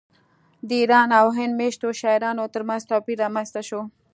د ایران او هند میشتو شاعرانو ترمنځ توپیر رامنځته شو